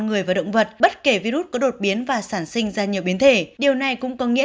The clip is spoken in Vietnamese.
người và động vật bất kể virus có đột biến và sản sinh ra nhiều biến thể điều này cũng có nghĩa